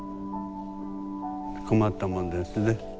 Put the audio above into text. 困ったもんですね。